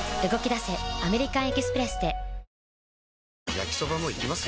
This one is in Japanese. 焼きソバもいきます？